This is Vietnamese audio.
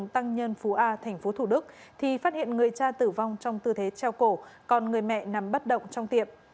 thành phố thủ đức thì phát hiện người cha tử vong trong tư thế treo cổ còn người mẹ nằm bất động trong tiệm